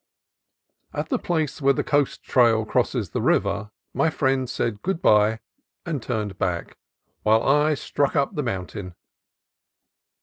At the place where the coast trail crosses the river my friend said good bye and turned back, while I struck up the mountain.